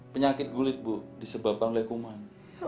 penyakit gulit bu disebabkan lekuman